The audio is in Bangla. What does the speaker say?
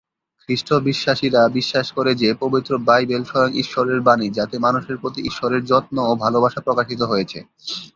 খ্রিস্ট-বিশ্বাসীরা বিশ্বাস করে যে পবিত্র বাইবেল স্বয়ং ঈশ্বরের বাণী যাতে মানুষের প্রতি ঈশ্বরের যত্ন ও ভালবাসা প্রকাশিত হয়েছে।